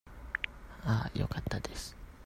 ああ、よかったです。